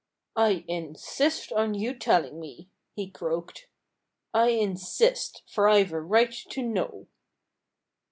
"I insist on your telling me," he croaked. "I insist; for I've a right to know."